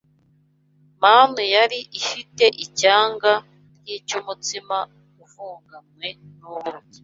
Manu yari ifite icyanga nk’icy’umutsima uvuganywe n’ubuki